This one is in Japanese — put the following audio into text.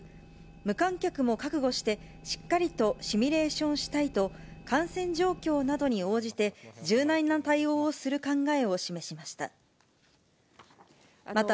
無観客も覚悟してしっかりとシミュレーションしたいと、感染状況などに応じて、柔軟な対応をする考えを示しました。